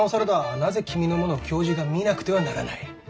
なぜ君のものを教授が見なくてはならない？